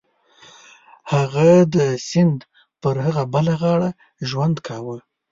هغه د سیند پر هغه بله غاړه ژوند کاوه.